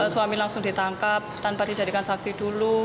suami langsung ditangkap tanpa dijadikan saksi dulu